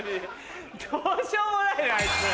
どうしようもないなあいつ。